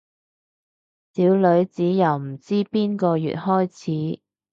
小女子由唔知邊個月開始